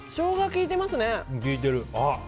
効いてる。